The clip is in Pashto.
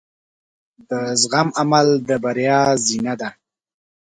د زغم عمل د بریا زینه ده.